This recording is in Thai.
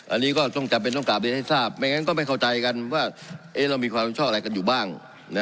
อันนี้ก็ต้องจำเป็นต้องกลับเรียนให้ทราบไม่งั้นก็ไม่เข้าใจกันว่าเรามีความชอบอะไรกันอยู่บ้าง